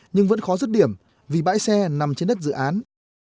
nhưng vẫn khó rứt điểm vì bãi xe nằm trên đất dự án